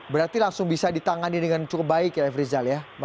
berarti langsung bisa ditangani dengan cukup baik ya efri zal ya